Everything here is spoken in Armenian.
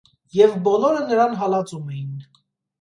Եվ բոլորը նրան հալածում էին։